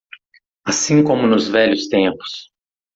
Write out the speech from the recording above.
Assim como nos velhos tempos.